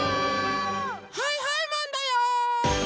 はいはいマンだよー！